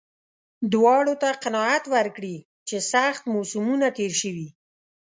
دواړو ته قناعت ورکړي چې سخت موسمونه تېر شوي.